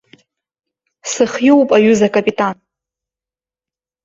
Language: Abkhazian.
Сыхиоуп, аҩыза акапитан!